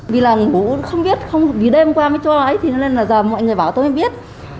vì là ngủ không biết không đi đêm qua mới cho ấy nên là giờ mọi người bảo tôi mới biết